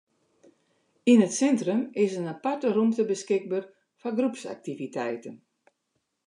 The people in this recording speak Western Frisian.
Yn it sintrum is in aparte rûmte beskikber foar groepsaktiviteiten.